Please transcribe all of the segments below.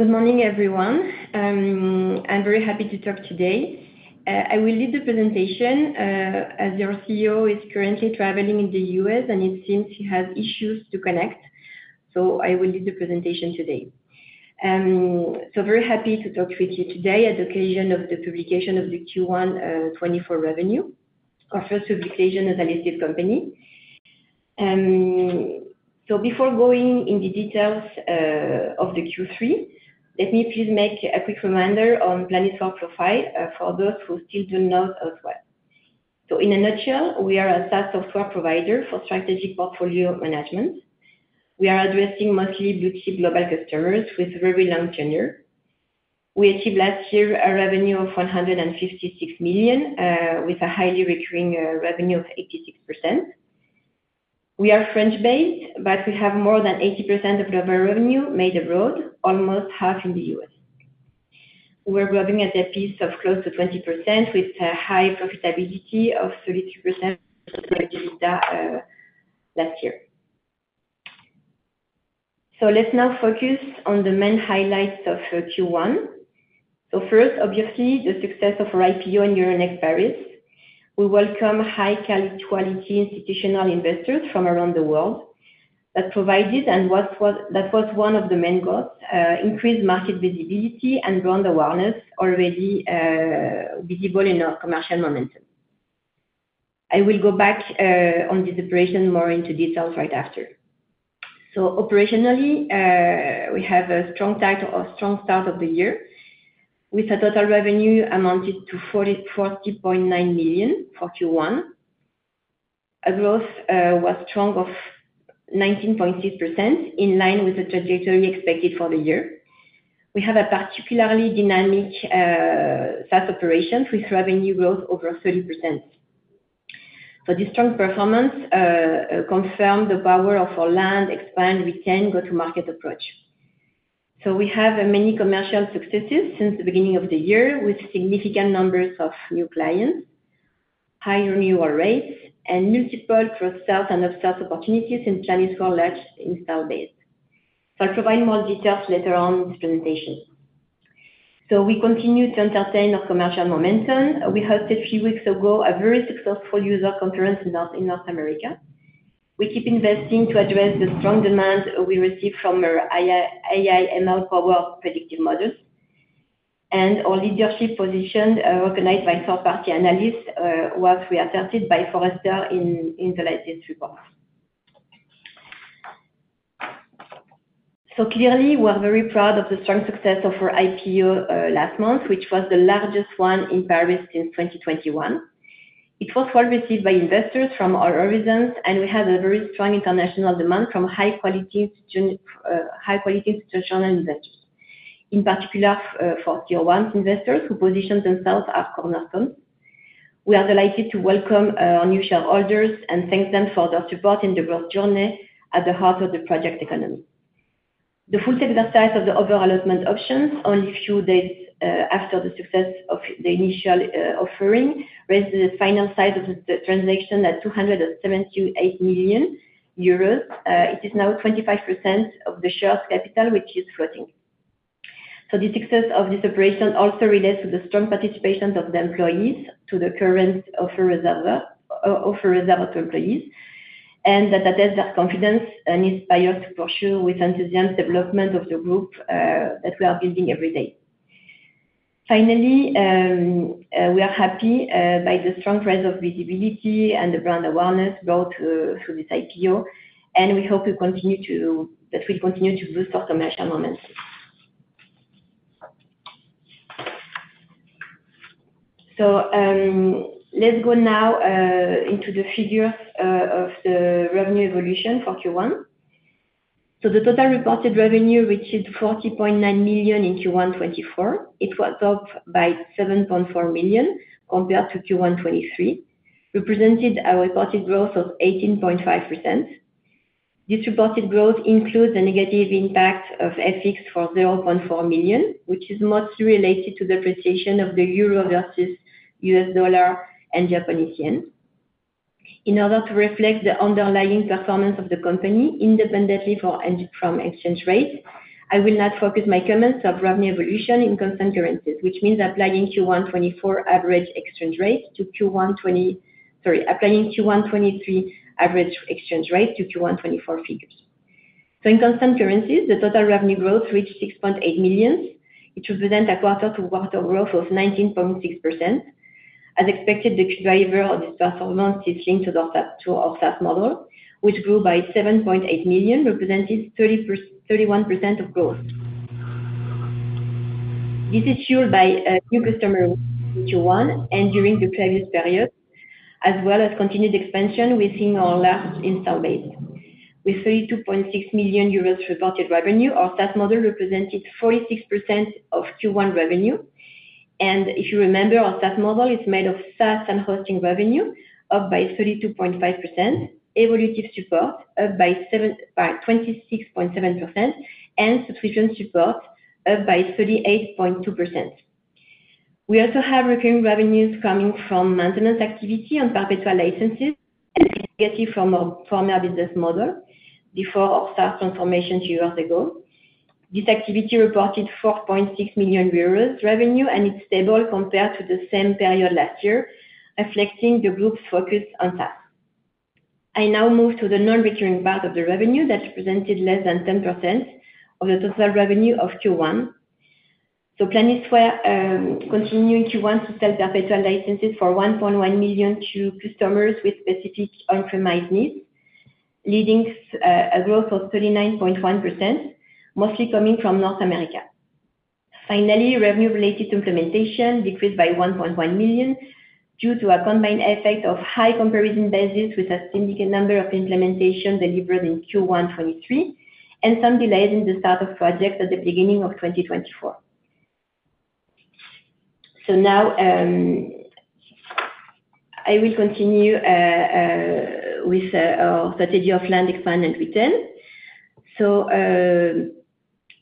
Good morning, everyone. I'm very happy to talk today. I will lead the presentation, as our CEO is currently traveling in the U.S., and it seems he has issues to connect, so I will lead the presentation today. So very happy to talk with you today at the occasion of the publication of the Q1 2024 revenue, our first publication as a listed company. So before going in the details of the Q3, let me please make a quick reminder on Planisware profile for those who still don't know us well. So in a nutshell, we are a SaaS software provider for strategic portfolio management. We are addressing mostly blue-chip global customers with very long tenure. We achieved last year a revenue of 156 million with a highly recurring revenue of 86%. We are French-based, but we have more than 80% of global revenue made abroad, almost half in the US. We're growing at a pace of close to 20% with a high profitability of 32% last year. So let's now focus on the main highlights of Q1. So first, obviously, the success of our IPO on Euronext Paris. We welcome high-caliber quality institutional investors from around the world. That provided what was one of the main goals, increased market visibility and brand awareness already visible in our commercial momentum. I will go back on this operation more into details right after. So operationally, we have a strong start of the year, with a total revenue amounted to 40.9 million for Q1. A growth was strong of 19.6%, in line with the trajectory expected for the year. We have a particularly dynamic SaaS operations with revenue growth over 30%. So this strong performance confirmed the power of our Land, Expand, Retain go-to-market approach. So we have many commercial successes since the beginning of the year, with significant numbers of new clients, higher renewal rates, and multiple cross-sell and up-sell opportunities in Planisware large install base. I'll provide more details later on in this presentation. So we continue to maintain our commercial momentum. We hosted a few weeks ago a very successful user conference in North America. We keep investing to address the strong demand we receive from our AI/ML-powered predictive models. And our leadership position recognized by third-party analysts was reasserted by Forrester in the latest report. Clearly, we are very proud of the strong success of our IPO last month, which was the largest one in Paris since 2021. It was well received by investors from all horizons, and we had a very strong international demand from high-quality institutional investors. In particular, for tier one investors who positioned themselves as cornerstone investors. We are delighted to welcome our new shareholders and thank them for their support in the growth journey at the heart of the Project Economy. The full exercise of the over-allotment options only a few days after the success of the initial offering raised the final size of the transaction at 278 million euros. It is now 25% of the share capital, which is floating. So the success of this operation also relates to the strong participation of the employees to the current offer reserved to employees, and that attest their confidence and inspire to pursue with enthusiasm, development of the group that we are building every day. Finally, we are happy by the strong presence of visibility and the brand awareness built through this IPO, and we hope to continue to-- that we continue to boost our commercial momentum. So, let's go now into the figures of the revenue evolution for Q1. So the total reported revenue, which is 40.9 million in Q1 2024, it was up by 7.4 million compared to Q1 2023, represented a reported growth of 18.5%. This reported growth includes the negative impact of FX for 0.4 million, which is mostly related to the appreciation of the euro versus US dollar and Japanese yen. In order to reflect the underlying performance of the company independently for and from exchange rates, I will now focus my comments on revenue evolution in constant currencies, which means applying Q1 2023 average exchange rates to Q1 2024 figures. So in constant currencies, the total revenue growth reached 6.8 million, which represent a quarter-to-quarter growth of 19.6%. As expected, the driver of this performance is linked to our SaaS model, which grew by 7.8 million, representing 31% of growth. This is fueled by new customer Q1 and during the previous period, as well as continued expansion within our large install base. With 32.6 million euros reported revenue, our SaaS model represented 46% of Q1 revenue. If you remember, our SaaS model is made of SaaS and hosting revenue, up by 32.5%, evolutive support, up by 26.7%, and subscription support, up by 38.2%. We also have recurring revenues coming from maintenance activity on perpetual licenses and legacy from our former business model before our SaaS transformation two years ago. This activity reported 4.6 million euros revenue, and it's stable compared to the same period last year, reflecting the group's focus on SaaS. I now move to the non-recurring part of the revenue that represented less than 10% of the total revenue of Q1. Planisware continued in Q1 to sell perpetual licenses for 1.1 million to customers with specific on-premise needs, leading a growth of 39.1%, mostly coming from North America. Finally, revenue related to implementation decreased by 1.1 million due to a combined effect of high comparison basis with a significant number of implementations delivered in Q1 2023, and some delays in the start of project at the beginning of 2024. Now I will continue with our strategy of land, expand, and retain.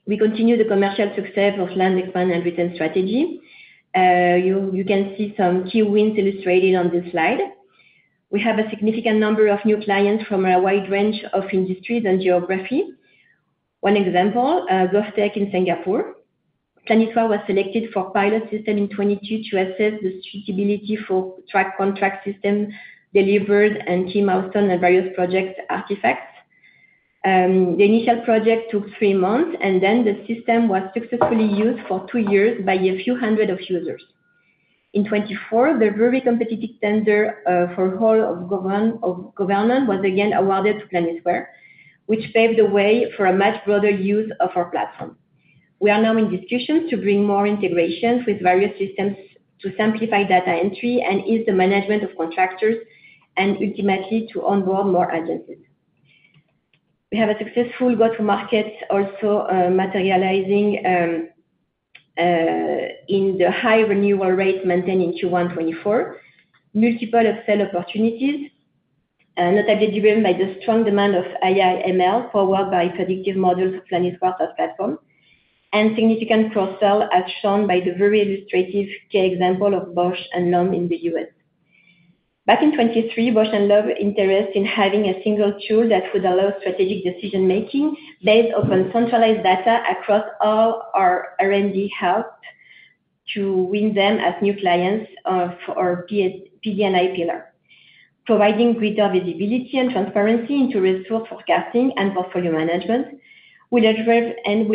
We continue the commercial success of land, expand, and retain strategy. You can see some key wins illustrated on this slide. We have a significant number of new clients from a wide range of industries and geography. One example, GovTech in Singapore. Planisware was selected for pilot system in 2022 to assess the suitability for track contract system delivered and team milestones and various project artifacts. The initial project took three months, and then the system was successfully used for two years by a few hundred of users. In 2024, the very competitive tender for whole of government was again awarded to Planisware, which paved the way for a much broader use of our platform. We are now in discussions to bring more integrations with various systems to simplify data entry and ease the management of contractors and ultimately to onboard more agencies. We have a successful go-to-market also materializing in the high renewal rate maintained in Q1 2024. Multiple upsell opportunities, notably driven by the strong demand of AI/ML, powered by predictive models of Planisware platform, and significant cross-sell, as shown by the very illustrative key example of Bausch + Lomb in the US. Back in 2023, Bausch + Lomb interest in having a single tool that would allow strategic decision-making based upon centralized data across all our R&D hub, to win them as new clients of our SaaS-PD&I pillar. Providing greater visibility and transparency into resource forecasting and portfolio management, we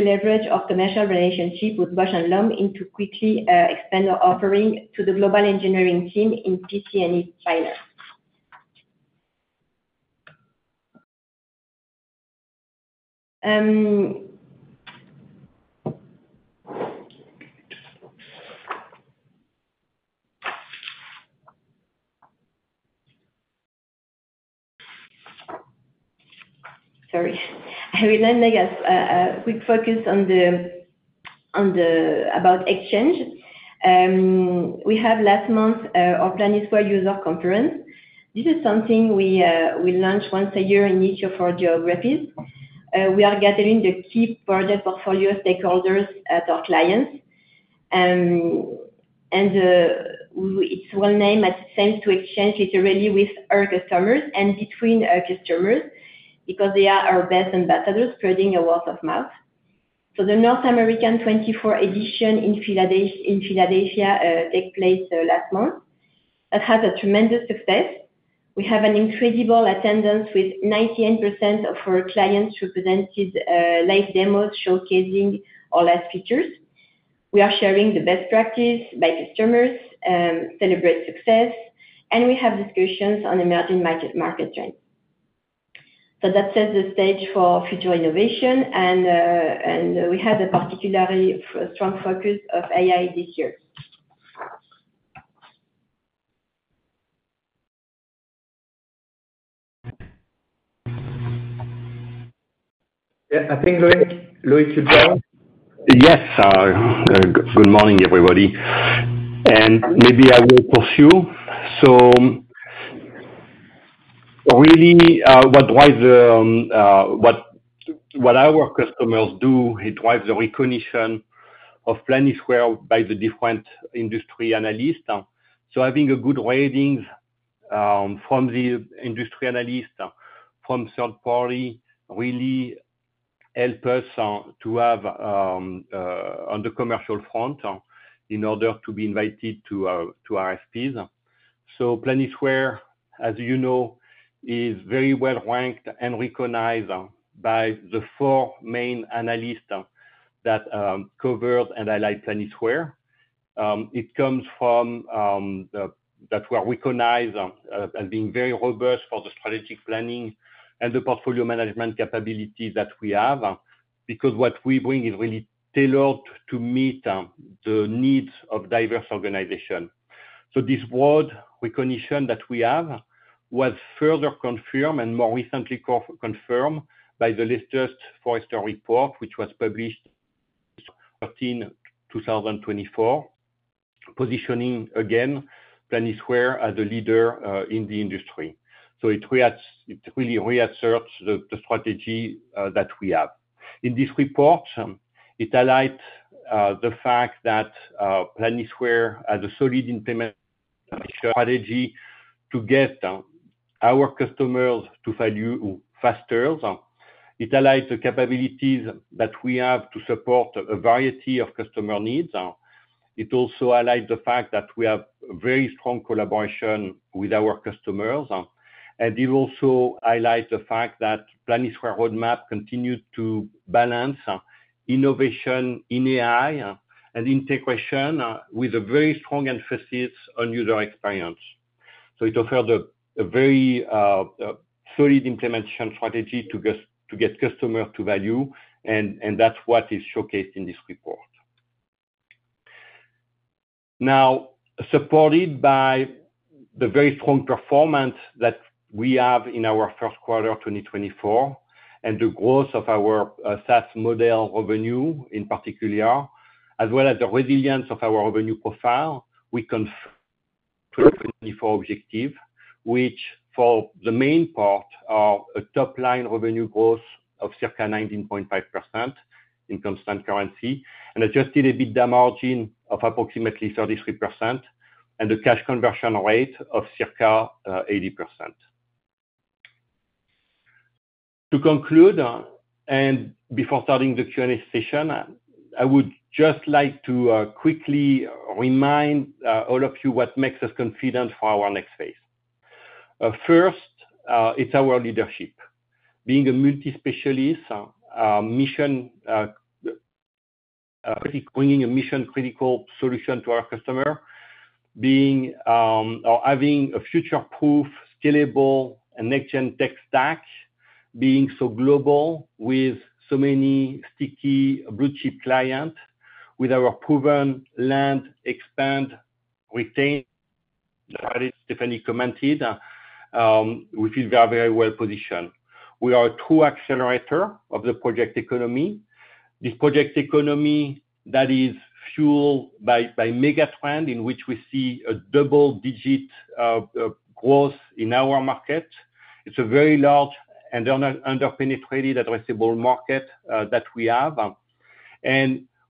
leverage our commercial relationship with Bausch + Lomb into quickly expand our offering to the global engineering team in PC&E pilot. Sorry. I will then make a quick focus on about Exchange. We have last month our Planisware user conference. This is something we, we launch once a year in each of our geographies. We are gathering the key project portfolio stakeholders, our clients. It's one name that tends to exchange literally with our customers and between our customers, because they are our best ambassadors, spreading a word of mouth. So the North American 2024 edition in Philadelphia took place last month. It has a tremendous success. We have an incredible attendance with 98% of our clients who presented live demos showcasing all latest features. We are sharing the best practice by customers, celebrate success, and we have discussions on emerging market, market trends. So that sets the stage for future innovation and we have a particularly strong focus on AI this year. Yeah, I think Loïc, Loïc is here. Yes, good morning, everybody, and maybe I will pursue. So really, what drives what our customers do, it drives the recognition of Planisware by the different industry analysts. So having good ratings from the industry analyst, from third party, really help us to have on the commercial front in order to be invited to RFPs. So Planisware, as you know, is very well-ranked and recognized by the four main analysts that cover and analyze Planisware. It comes from that we are recognized as being very robust for the strategic planning and the portfolio management capabilities that we have because what we bring is really tailored to meet the needs of diverse organization. So this broad recognition that we have was further confirmed and more recently confirmed by the latest Forrester report, which was published in 2024, positioning again, Planisware as a leader in the industry. So it really reasserts the, the strategy that we have. In this report, it highlights the fact that Planisware has a solid implementation strategy to get our customers to value faster. It highlights the capabilities that we have to support a variety of customer needs. It also highlights the fact that we have very strong collaboration with our customers, and it also highlights the fact that Planisware roadmap continues to balance innovation in AI and integration with a very strong emphasis on user experience. So it offers a very solid implementation strategy to get customer to value, and that's what is showcased in this report. Now, supported by the very strong performance that we have in our Q1 of 2024, and the growth of our SaaS model revenue, in particular, as well as the resilience of our revenue profile, we confirm 2024 objective, which for the main part are a top line revenue growth of circa 19.5% in Constant Currency, and Adjusted EBITDA margin of approximately 33%, and a cash conversion rate of circa 80%. To conclude, and before starting the Q&A session, I would just like to quickly remind all of you what makes us confident for our next phase. First, it's our leadership. Being a multi-specialist mission, bringing a mission-critical solution to our customer, being or having a future-proof, scalable, and next-gen tech stack, being so global with so many sticky blue chip clients, with our proven Land, Expand, Retain, as Stéphanie commented, we feel we are very well positioned. We are a true accelerator of the Project Economy. This Project Economy that is fueled by mega trend, in which we see double-digit growth in our market. It's a very large and underpenetrated addressable market that we have.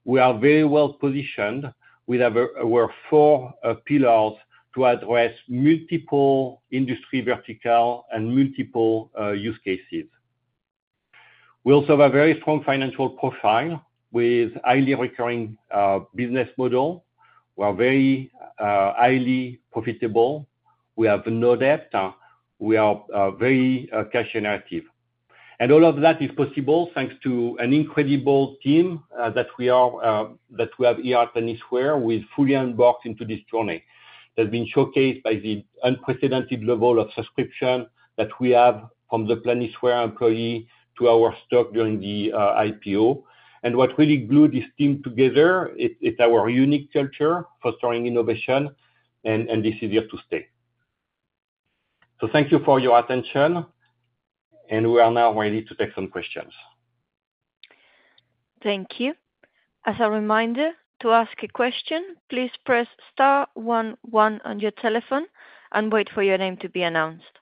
We are very well positioned with our four pillars to address multiple industry vertical and multiple use cases. We also have a very strong financial profile, with highly recurring business model. We are very highly profitable. We have no debt. We are very cash generative. All of that is possible thanks to an incredible team that we have here at Planisware, with fully embarked into this journey. That's been showcased by the unprecedented level of subscription that we have from the Planisware employees to our stock during the IPO. What really glues this team together is our unique culture, fostering innovation, and this is here to stay. Thank you for your attention, and we are now ready to take some questions. Thank you. As a reminder, to ask a question, please press star one one on your telephone and wait for your name to be announced.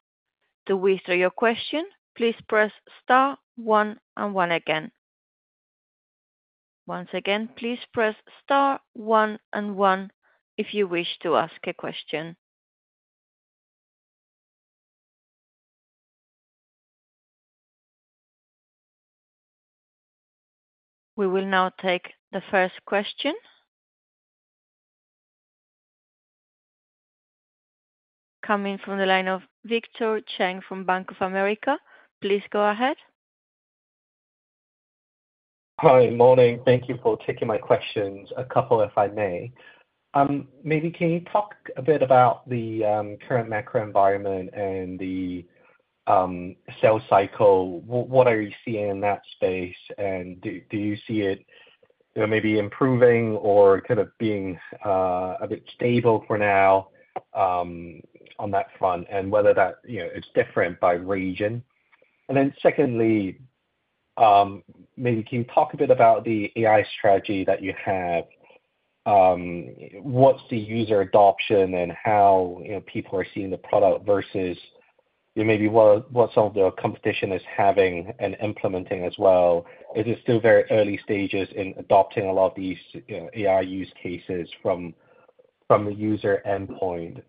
To withdraw your question, please press star one and one again. Once again, please press star one and one if you wish to ask a question. We will now take the first question. Coming from the line of Victor Cheng from Bank of America. Please go ahead. Hi. Morning. Thank you for taking my questions. A couple, if I may. Maybe can you talk a bit about the current macro environment and the sales cycle? What are you seeing in that space, and do you see it, you know, maybe improving or kind of being a bit stable for now on that front, and whether that, you know, is different by region? And then secondly, maybe can you talk a bit about the AI strategy that you have? What's the user adoption and how, you know, people are seeing the product versus, you know, maybe what some of the competition is having and implementing as well? It is still very early stages in adopting a lot of these, you know, AI use cases from a user endpoint.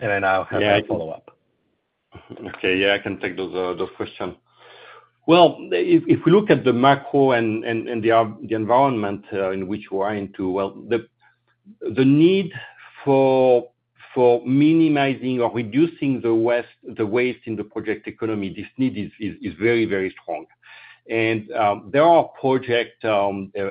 And I now have a follow-up. Okay, yeah, I can take those questions. Well, if we look at the macro and the environment in which we are into, well, the need for minimizing or reducing the waste, the waste in the Project Economy, this need is very, very strong. There are projects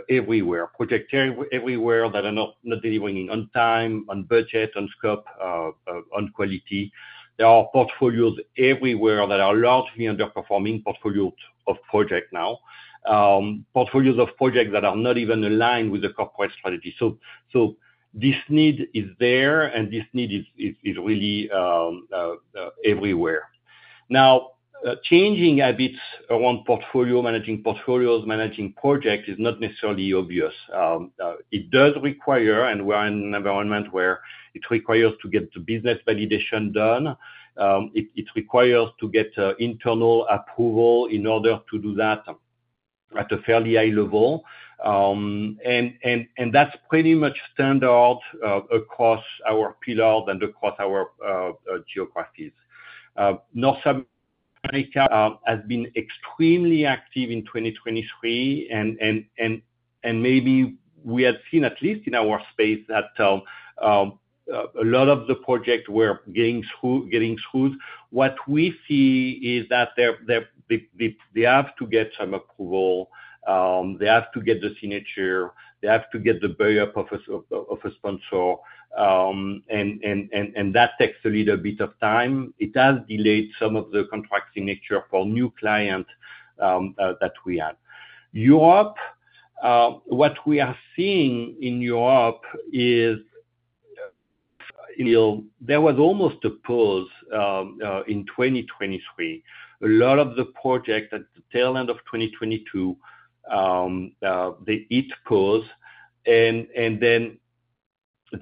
everywhere, projects everywhere that are not delivering on time, on budget, on scope, on quality. There are portfolios everywhere that are largely underperforming portfolios of projects now. Portfolios of projects that are not even aligned with the corporate strategy. This need is there, and this need is really everywhere. Now, changing habits around managing portfolios, managing projects is not necessarily obvious. It does require, and we're in an environment where it requires to get the business validation done. It requires to get internal approval in order to do that at a fairly high level. And that's pretty much standard across our pillar and across our geographies. North America has been extremely active in 2023, and maybe we have seen, at least in our space, that a lot of the projects were getting through, getting through. What we see is that they have to get some approval, they have to get the signature, they have to get the buy-in of a sponsor, and that takes a little bit of time. It has delayed some of the contract signature for new clients that we have. Europe, what we are seeing in Europe is, you know, there was almost a pause in 2023. A lot of the projects at the tail end of 2022, they each pause, and then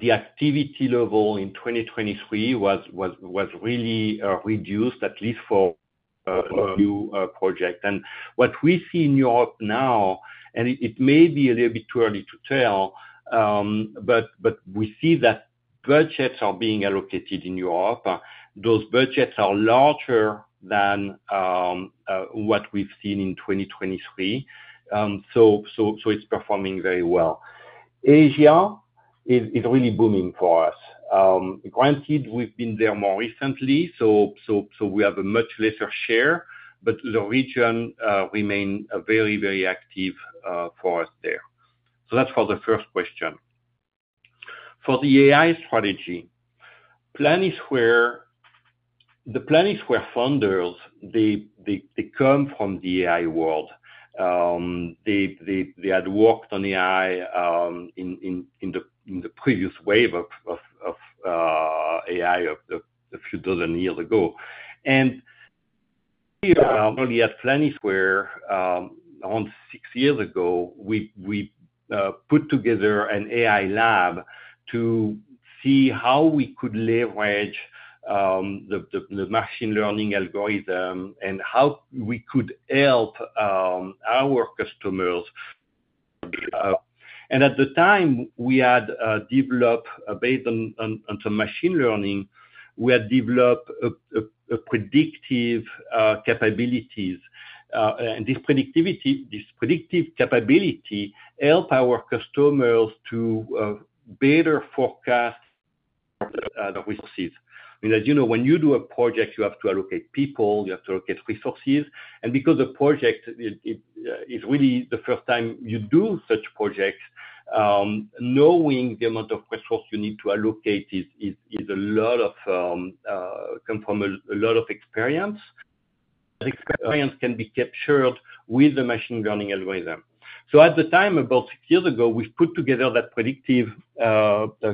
the activity level in 2023 was really reduced, at least for new project. What we see in Europe now, it may be a little bit too early to tell, but we see that budgets are being allocated in Europe. Those budgets are larger than what we've seen in 2023, so it's performing very well. Asia is really booming for us. Granted, we've been there more recently, so we have a much lesser share, but the region remain very active for us there. So that's for the first question. For the AI strategy, Planisware. The Planisware founders, they come from the AI world. They had worked on AI in the previous wave of AI a few dozen years ago. And only at Planisware, around six years ago, we put together an AI lab to see how we could leverage the machine learning algorithm and how we could help our customers. And at the time, we had developed based on some machine learning, we had developed a predictive capabilities. And this predictivity—this predictive capability help our customers to better forecast the resources. Because, you know, when you do a project, you have to allocate people, you have to allocate resources. And because the project is, it is really the first time you do such projects, knowing the amount of resources you need to allocate is, is, is a lot of come from a lot of experience. Experience can be captured with a machine learning algorithm. So at the time, about six years ago, we put together that predictive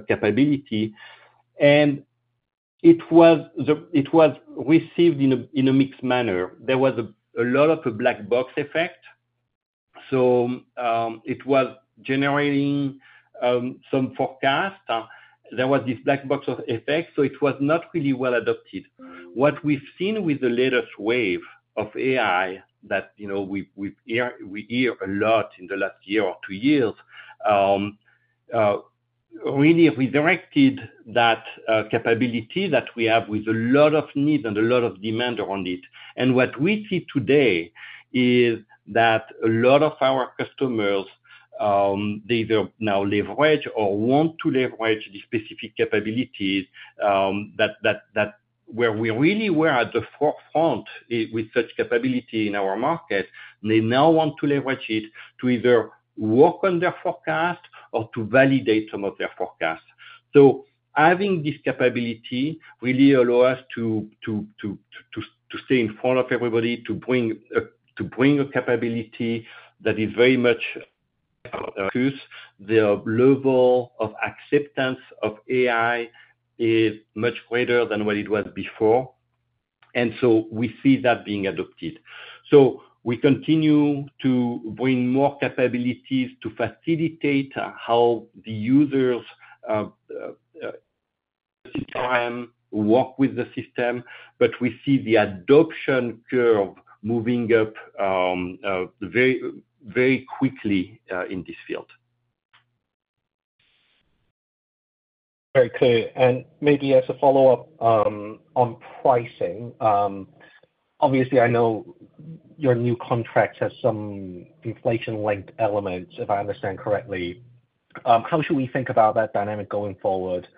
capability, and it was received in a mixed manner. There was a lot of black box effect. So it was generating some forecast. There was this black box of effects, so it was not really well adopted. What we've seen with the latest wave of AI that, you know, we hear a lot in the last year or two years, really we directed that capability that we have with a lot of need and a lot of demand on it. And what we see today is that a lot of our customers, they will now leverage or want to leverage the specific capabilities, that where we really were at the forefront with such capability in our market, they now want to leverage it to either work on their forecast or to validate some of their forecasts. So having this capability really allow us to stay in front of everybody, to bring a capability that is very much used. The level of acceptance of AI is much greater than what it was before, and so we see that being adopted. So we continue to bring more capabilities to facilitate how the users time work with the system, but we see the adoption curve moving up, very, very quickly, in this field. Very clear. Maybe as a follow-up, on pricing, obviously I know your new contracts have some inflation-linked elements, if I understand correctly. How should we think about that dynamic going forward,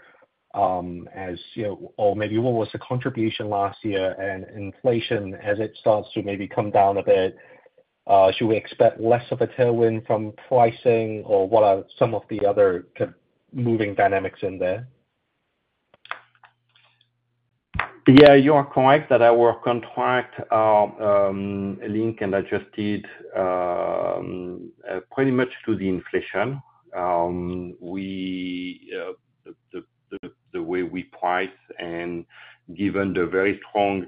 as you know, or maybe what was the contribution last year and inflation as it starts to maybe come down a bit, should we expect less of a tailwind from pricing, or what are some of the other key-moving dynamics in there? Yeah, you are correct that our contract link and adjusted pretty much to the inflation. We, the way we price and given the very strong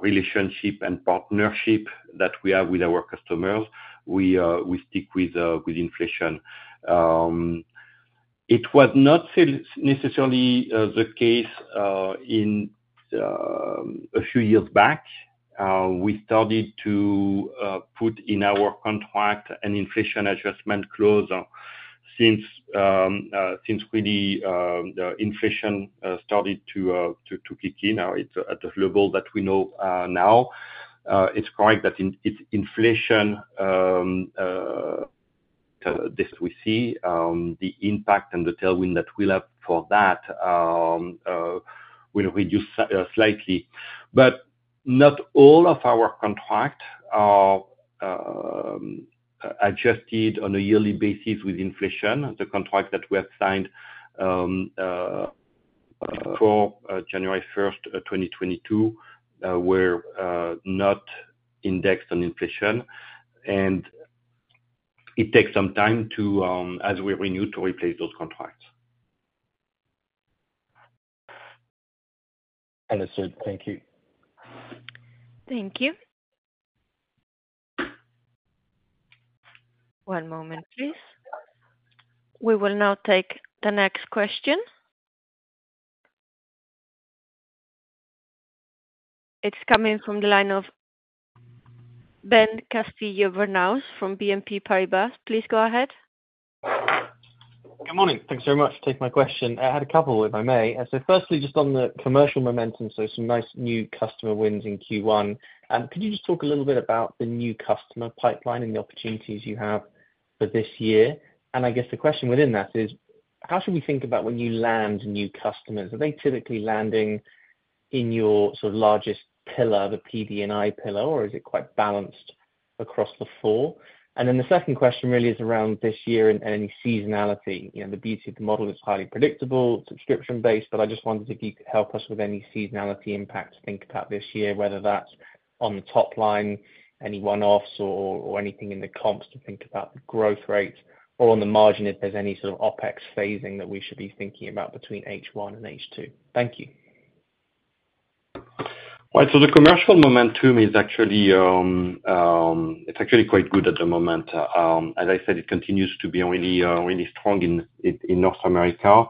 relationship and partnership that we have with our customers, we stick with inflation. It was not necessarily the case in a few years back. We started to put in our contract an inflation adjustment clause since really the inflation started to kick in. Now, it's at a level that we know now. It's correct that it's inflation, this we see the impact and the tailwind that we'll have for that will reduce slightly. But not all of our contract are adjusted on a yearly basis with inflation. The contract that we have signed, for January first, 2022, were not indexed on inflation, and it takes some time to, as we renew, to replace those contracts. Understood. Thank you. Thank you. One moment, please. We will now take the next question. It's coming from the line of Ben Castillo-Bernaus from BNP Paribas. Please go ahead. Good morning. Thanks very much for taking my question. I had a couple, if I may. So firstly, just on the commercial momentum, so some nice new customer wins in Q1. Could you just talk a little bit about the new customer pipeline and the opportunities you have for this year? And I guess the question within that is, how should we think about when you land new customers? Are they typically landing in your sort of largest pillar, the PD&I pillar, or is it quite balanced across the four? And then the second question really is around this year and any seasonality. You know, the beauty of the model is highly predictable, subscription-based, but I just wondered if you could help us with any seasonality impact to think about this year, whether that's on the top line, any one-offs or, or anything in the comps to think about the growth rate or on the margin, if there's any sort of OpEx phasing that we should be thinking about between H1 and H2. Thank you. Right. So the commercial momentum is actually, it's actually quite good at the moment. As I said, it continues to be really, really strong in North America.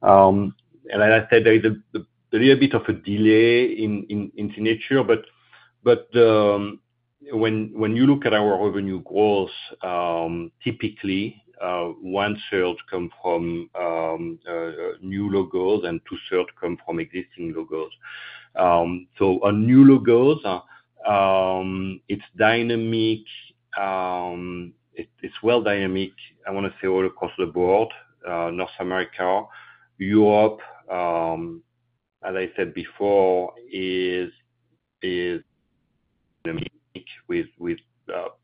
And as I said, there is a real bit of a delay in nature, but when you look at our revenue growth, typically, one third come from new logos and two third come from existing logos. So on new logos, it's dynamic. It's well dynamic, I wanna say, all across the board. North America, Europe, as I said before, is dynamic with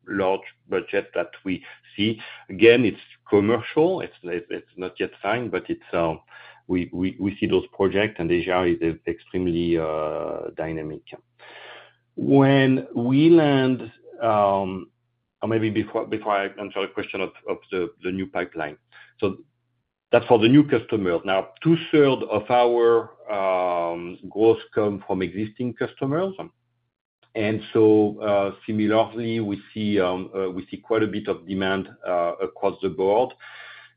large budget that we see. Again, it's commercial. It's not yet signed, but it's, we see those projects, and Asia is extremely dynamic. When we land... Or maybe before I answer the question of the new pipeline. So that's for the new customer. Now, two-thirds of our growth come from existing customers. And so, similarly, we see quite a bit of demand across the board.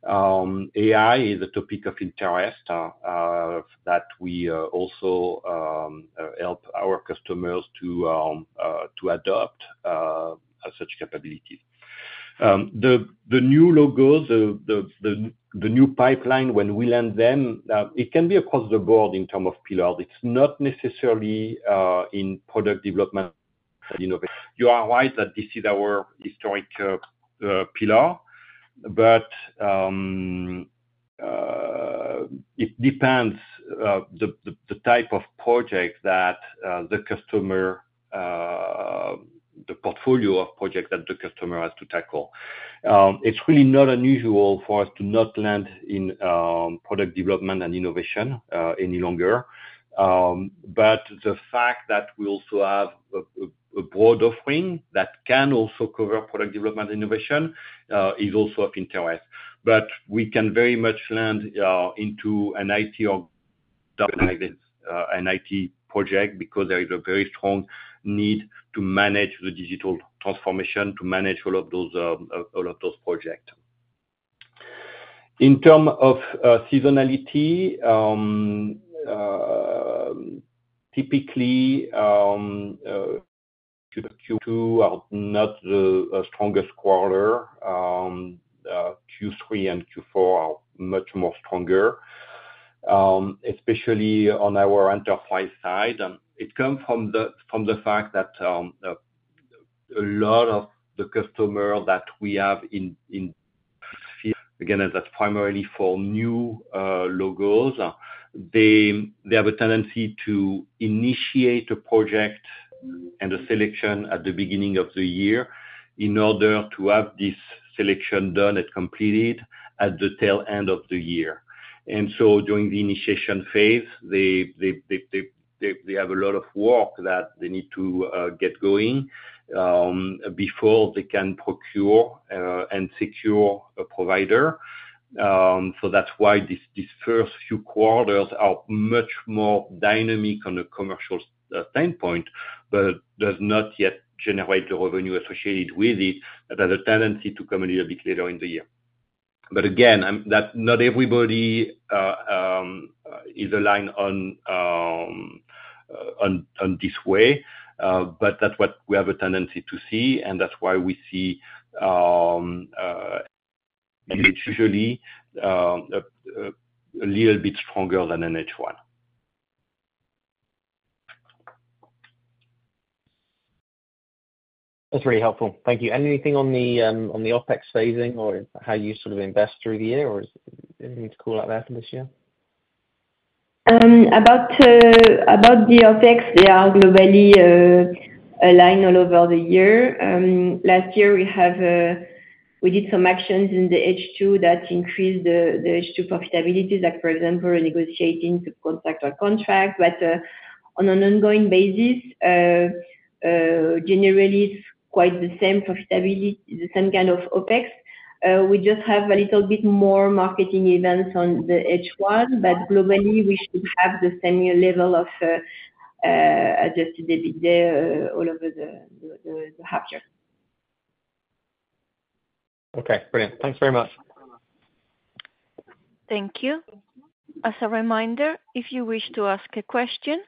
AI is a topic of interest that we also help our customers to adopt such capabilities. The new logos, the new pipeline, when we land them, it can be across the board in terms of pillar. It's not necessarily in product development, you know. You are right that this is our historic pillar, but it depends the type of project that the customer the portfolio of projects that the customer has to tackle. It's really not unusual for us to not land in product development and innovation any longer. But the fact that we also have a broad offering that can also cover product development innovation is also of interest. But we can very much land into an IT in IT project, because there is a very strong need to manage the digital transformation, to manage all of those projects. In terms of seasonality, typically, Q2 are not the strongest quarter. Q3 and Q4 are much more stronger, especially on our enterprise side. It comes from the fact that a lot of the customers that we have in... Again, that's primarily for new logos. They have a tendency to initiate a project and a selection at the beginning of the year in order to have this selection done and completed at the tail end of the year. And so during the initiation phase, they have a lot of work that they need to get going before they can procure and secure a provider. So that's why these first few quarters are much more dynamic on a commercial standpoint, but does not yet generate the revenue associated with it, that a tendency to come a little bit later in the year. But again, that not everybody is aligned on this way, but that's what we have a tendency to see, and that's why we see usually a little bit stronger than an H1. That's very helpful. Thank you. And anything on the, on the OpEx phasing or how you sort of invest through the year, or anything to call out there for this year? About the OpEx, they are globally aligned all over the year. Last year, we have, we did some actions in the H2 that increased the H2 profitability, like, for example, renegotiating the contract or contract. But, on an ongoing basis, generally it's quite the same profitability, the same kind of OpEx. We just have a little bit more marketing events on the H1, but globally, we should have the same level of Adjusted EBITDA all over the half year. Okay, brilliant. Thanks very much. Thank you. As a reminder, if you wish to ask a question,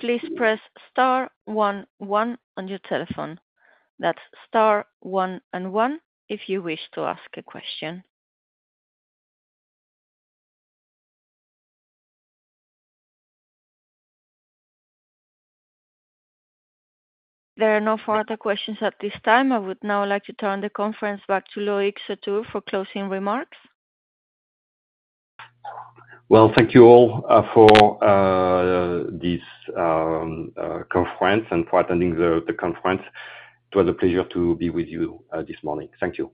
please press star one one on your telephone. That's star one and one if you wish to ask a question. There are no further questions at this time. I would now like to turn the conference back to Loïc Sautour for closing remarks. Well, thank you all for this conference and for attending the conference. It was a pleasure to be with you this morning. Thank you.